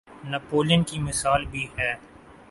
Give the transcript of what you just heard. نپولین کی مثال بھی ہے۔